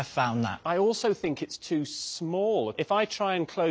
はい。